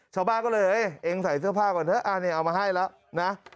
ชาวบ้านก็เลยเองใส่เสื้อผ้าก่อนเถอะอันนี้เอามาให้แล้วนะ